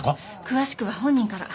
詳しくは本人から。